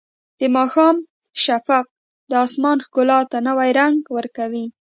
د ماښام شفق د اسمان ښکلا ته نوی رنګ ورکوي.